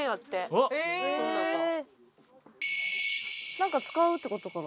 なんか使うって事かな？